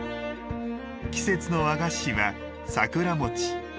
季節の和菓子は、桜餅。